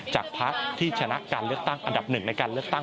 จากพักที่ชนะการเลือกตั้งอันดับหนึ่งในการเลือกตั้ง